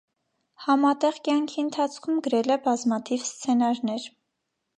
Համատեղ կյանքի ընթացքում գրել է բազմաթիվ սցենարներ։